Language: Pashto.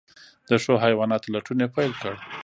د ښو حیواناتو لټون یې پیل کړ.